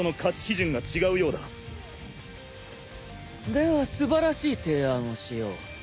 では素晴らしい提案をしよう。